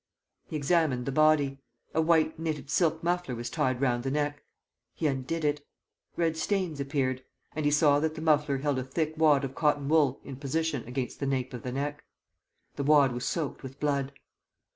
He examined the body. A white knitted silk muffler was tied round the neck. He undid it. Red stains appeared; and he saw that the muffler held a thick wad of cotton wool in position against the nape of the neck. The wad was soaked with blood.